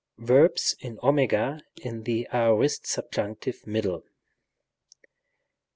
Verbs in @, in the aorist, subjunctive, middle.